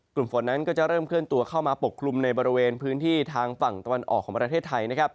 กลุ่มฝนนั้นก็จะเริ่มเคลื่อนตัวเข้ามาปกคลุมในบริเวณพื้นที่ทางฝั่งตะวันออกของประเทศไทย